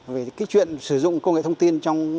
về cái chuyện sử dụng công nghệ thông tin